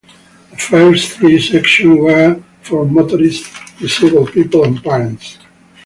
The first three sections were for motorists, disabled people and parents.